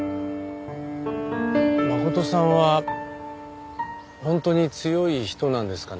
真琴さんは本当に強い人なんですかね？